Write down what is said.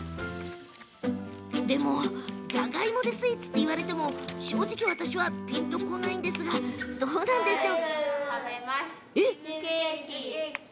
でも、じゃがいもでスイーツって正直、ピンとこないんですけどどうなんでしょう？